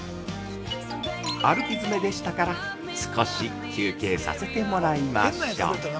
歩きづめでしたから少し休憩させてもらいましょう。